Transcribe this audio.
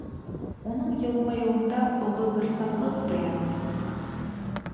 Уның йылмайыуында оло бер сафлыҡ тоям мин.